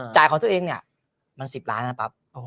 จ่ายของตัวเองมัน๑๐ล้านบาท